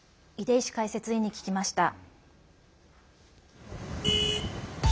出石解説員に聞きました。